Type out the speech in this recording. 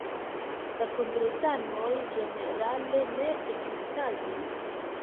La kongresanoj ĝenerale ne ekstazis.